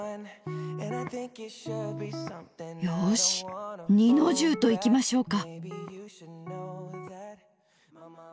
よし二の重といきましょうか。